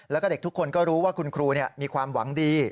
แล้วก็เด็กทุกคนก็รู้ว่าคุณครูมีความหวังดี